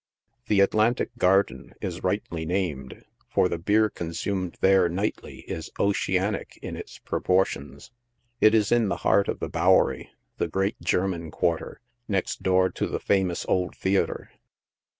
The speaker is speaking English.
The Atlantic Garden is rightly named, for the beer consumed there nightly is oceanic in its proportions. It is in the heart of the Bow ery, the great German quarter, next door to the famous old theatre.